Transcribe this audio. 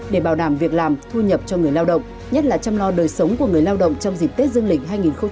để bảo đảm việc làm thu nhập cho người lao động nhất là chăm lo đời sống của người lao động trong dịp tết dương lịch hai nghìn hai mươi